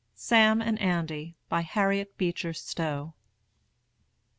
SAM AND ANDY. BY HARRIET BEECHER STOWE.